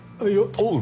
おう！